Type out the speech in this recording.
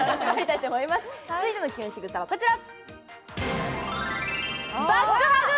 続いてのキュン仕草はこちら。